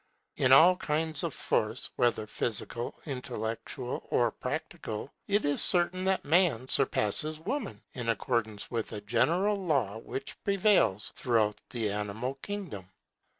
In all kinds of force, whether physical, intellectual, or practical, it is certain that Man surpasses Woman, in accordance with a general law which prevails throughout the animal kingdom.